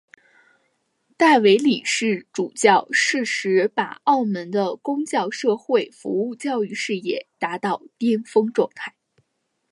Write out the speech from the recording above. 戴维理主教适时把澳门的公教社会服务教育事业达到巅峰状态。